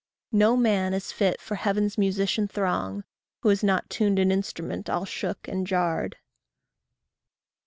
No man is fit for heaven's musician throng Who has not tuned an instrument all shook and jarred.